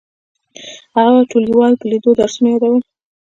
هغې به د ټولګیوالو په لیدو درسونه یادول